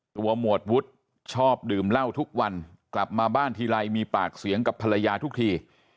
หมวดวุฒิชอบดื่มเหล้าทุกวันกลับมาบ้านทีไรมีปากเสียงกับภรรยาทุกที